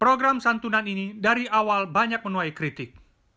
program santunan ini dari awal banyak menuai kritik